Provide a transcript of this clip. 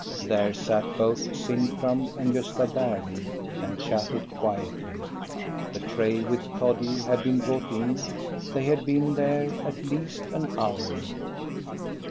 There sat both Sintram and Gosta Berling, and chatted quietly. The tray with toddy had been brought in ; they had been there at least an hour.